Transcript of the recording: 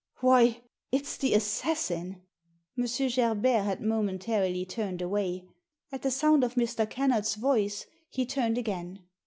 " Why— it's the assassin !" M. Gerbert had momentarily turned away. At the sound of Mr. Kennard's voice he turned again.